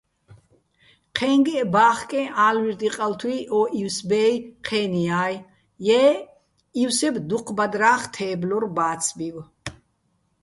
ჴე́ჼგეჸ ბა́ხკეჼ ა́ლვი́რდ-იყალთუი̆ ო ივსბე́ჲ, ჴე́ნიაჲ, ჲე́ ი́ვსებ დუჴ ბადრა́ხ თე́ბლორ ბა́ცბივ.